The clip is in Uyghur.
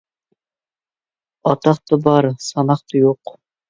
ئاتاقتا بار، ساناقتا يوق.